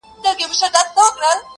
ړوند د خدايه څه غواړي، دوې سترگي.